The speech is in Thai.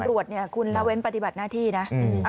ตำรวจคุณเลวนปฏิบัติหน้าที่นะ